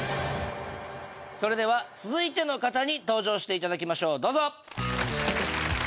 それでは続いての方に登場していただきましょうどうぞ！